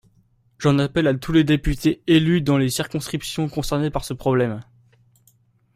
J’en appelle à tous les députés élus dans les circonscriptions concernées par ce problème.